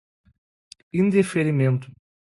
indeferimento